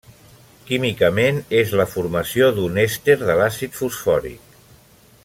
Químicament és la formació d'un èster de l'àcid fosfòric.